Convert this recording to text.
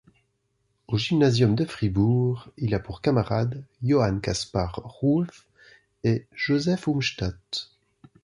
Au gymnasium de Fribourg, il a pour camarades Johann Kaspar Ruef et Joseph Umstatt.